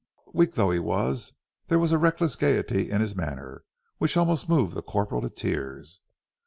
Weak though he was, there was a reckless gaiety in his manner, which almost moved the corporal to tears.